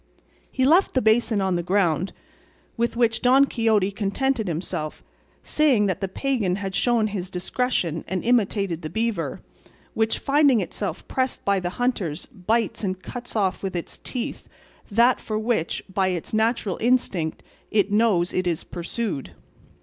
He left the basin on the ground, with which Don Quixote contented himself, saying that the pagan had shown his discretion and imitated the beaver, which finding itself pressed by the hunters bites and cuts off with its teeth that for which, by its natural instinct, it knows it is pursued.